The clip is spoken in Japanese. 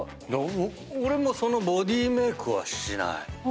俺もボディーメークはしない。